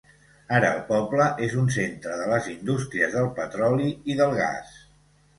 Ara el poble és un centre de les indústries del petroli i del gas.